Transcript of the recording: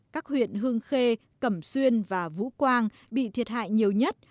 các huyện hương khê cẩm xuyên và vũ quang bị thiệt hại nhiều nhất